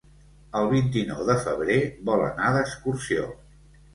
El vint-i-nou de febrer vol anar d'excursió.